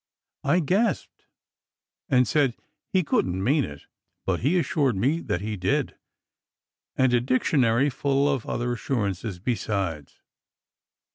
I gasped and said he couldn t mean it, but he assured me that he did, and a dictionary full of other assurances besides.